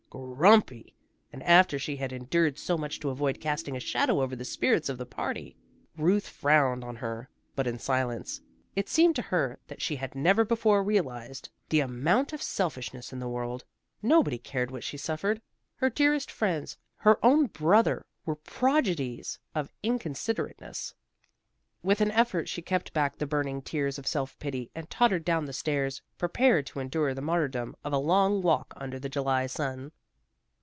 Grumpy! And after she had endured so much to avoid casting a shadow over the spirits of the party. Ruth frowned on her, but in silence. It seemed to her that she had never before realized the amount of selfishness in the world. Nobody cared what she suffered. Her dearest friends, her own brother were prodigies of inconsiderateness. With an effort she kept back the burning tears of self pity, and tottered down the stairs, prepared to endure the martyrdom of a long walk under the July sun.